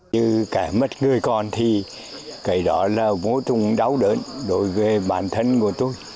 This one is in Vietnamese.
như kẻ mất người con thì cái đó là một mối tung đau đớn đối với bản thân của tôi